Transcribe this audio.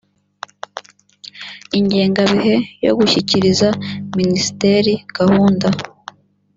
ingengabihe yo gushyikiriza minisiteri gahunda